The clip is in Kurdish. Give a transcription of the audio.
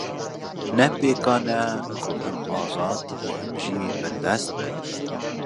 Ne pêkan e ku him azad û him jî bindest bin